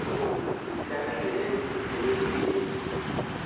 Стихами велеть истлеть ей!